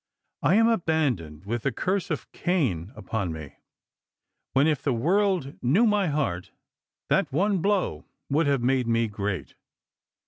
" I am abandoned, with the curse of Cain upon me, when, if the world knew my heart, that one blow would have made me great."